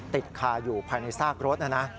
ติดคาอยู่ภายในซากรถนะนะ